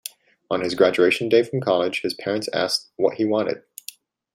On his graduation day from college, his parents asked what he wanted.